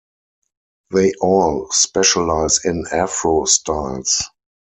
They all specialise in afro-styles.